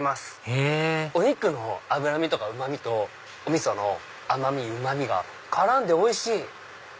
へぇお肉の脂身とかうま味とお味噌の甘みうま味が絡んでおいしい！